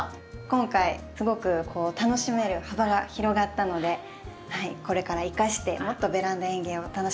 今回すごく楽しめる幅が広がったのでこれから生かしてもっとベランダ園芸を楽しんでいけたらなと思います。